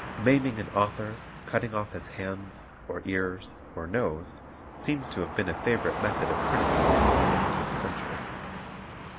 Maiming an author, cutting off his hands, or ears, or nose, seems to have been a favourite method of criticism in the sixteenth century.